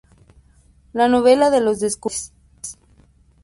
La novela de los descubridores'.